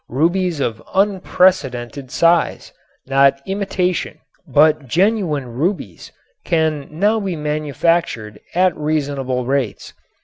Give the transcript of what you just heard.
Rubies of unprecedented size, not imitation, but genuine rubies, can now be manufactured at reasonable rates.